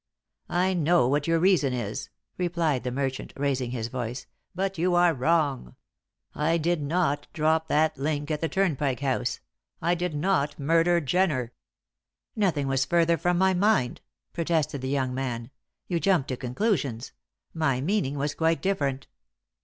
"I know what your reason is," replied the merchant, raising his voice; "but you are wrong; I did not drop that link at the Turnpike House I did not murder Jenner!" "Nothing was further from my mind," protested the young man. "You jump to conclusions; my meaning was quite different."